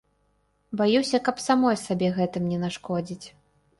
Баюся, каб самой сабе гэтым не нашкодзіць.